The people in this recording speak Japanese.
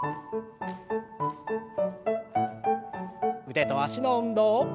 腕と脚の運動。